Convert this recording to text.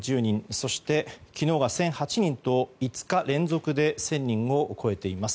そして、昨日が１００８人と５日連続で１０００人を超えています。